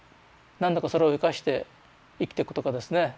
なんとかそれを生かして生きてくとかですね。